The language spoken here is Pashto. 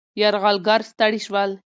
یرغلګر ستړي شول.